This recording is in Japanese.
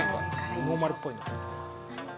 ノーマルっぽいの。